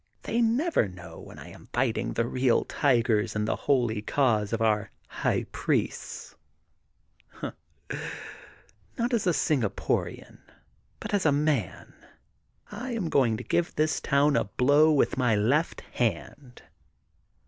They never know when I am fighting the real tigers in the holy cause of our High Priests. Not as a Singaporian, but as a man, I am going to give this town a blow with my left hand.